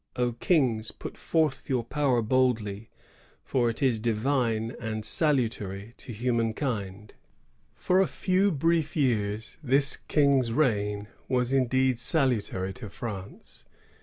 O Kings! put forth your power boldly, for it is divine and salutary to humankind."* For a few brief years, this King's reign was indeed salutaiy to France.